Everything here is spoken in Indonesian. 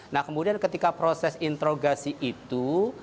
nah kemudian ketika proses interogasi itu